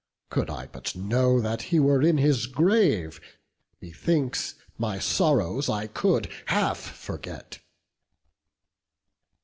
Could I but know that he were in his grave, Methinks my sorrows I could half forget."